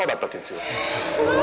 うわ！